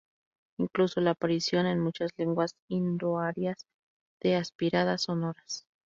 Incluso la aparición en muchas lenguas indoarias de "aspiradas sonoras".